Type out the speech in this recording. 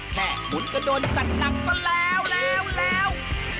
แค่หมุนกระโดนจัดหนักซะแล้วแล้วแล้ว